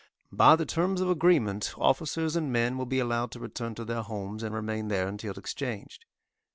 By the terms of agreement officers and men will be allowed to return to their homes and remain there until exchanged.